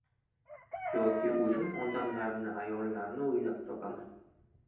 Yoki o’zim odamlarni, ayollarni o’ylab topaman